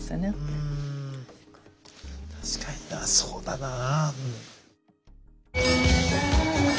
うん確かになそうだなぁ。